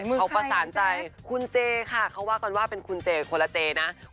ก็เอาพระสานะใจคุณเจคะเขาว่ากูว่ามีจากนั้น